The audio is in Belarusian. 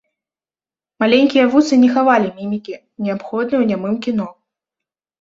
Маленькія вусы не хавалі мімікі, неабходнай ў нямым кіно.